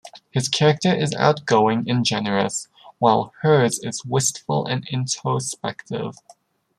His character is outgoing and generous, while hers is wistful and intospective.